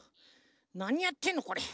なにやってんのこれ。